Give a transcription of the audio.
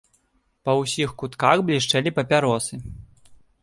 Па ўсіх кутках блішчэлі папяросы.